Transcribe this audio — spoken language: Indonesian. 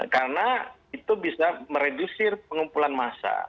karena itu bisa meredusir pengumpulan massa